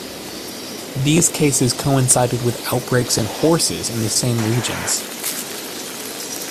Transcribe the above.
These cases coincided with outbreaks in horses in the same regions.